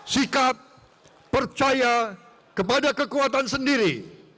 sikap percaya kepada kekuatan sendiri